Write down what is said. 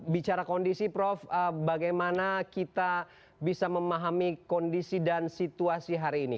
bicara kondisi prof bagaimana kita bisa memahami kondisi dan situasi hari ini